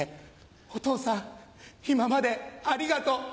お父さん今までありがとう。